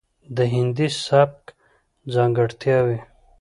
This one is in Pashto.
،دهندي سبک ځانګړتياوې،